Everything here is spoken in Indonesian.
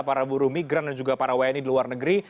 para buruh migran dan juga para wni di luar negeri